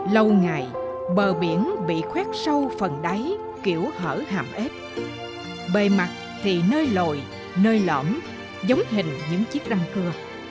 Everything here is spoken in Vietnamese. lâu ngày bờ biển bị khoét sâu phần đáy kiểu hở hàm ép bề mặt thì nơi lồi nơi lõm giống hình những chiếc răng cưa